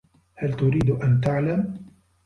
هل تريد أن تعلم؟